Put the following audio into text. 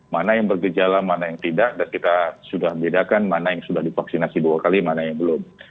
mana yang bergejala mana yang tidak dan kita sudah bedakan mana yang sudah divaksinasi dua kali mana yang belum